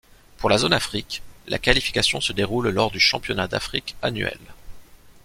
Pour la zone Afrique, la qualification se déroule lors du championnat d'Afrique annuel.